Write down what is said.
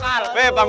turun aja siang